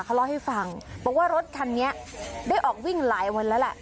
เขาเล่าให้ฟังบอกว่ารถคันนี้ได้ออกวิ่งหลายวันแล้วแหละ